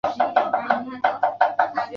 一般规则以国际赛例作赛。